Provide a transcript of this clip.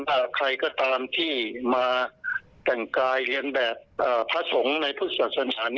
ใครก็ตามที่มาแต่งกายเรียนแบบพระสงฆ์ในพุทธศาสนา